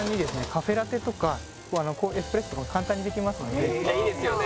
カフェラテとかエスプレッソとかも簡単にできますのでめっちゃいいですよね